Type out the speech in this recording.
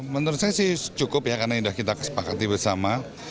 menurut saya cukup ya karena kita sudah kesepakati bersama